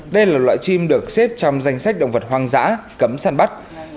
đây là loại chim được xếp trong danh sách động vật hoang dã cấm săn bắt